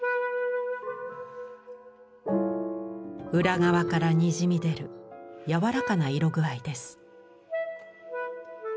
裏側からにじみ出るやわらかな色具合です。